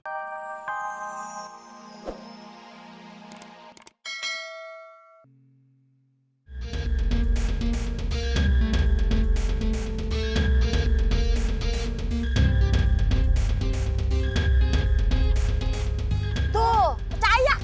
tuh percaya kan